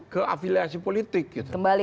ke afiliasi politik kembali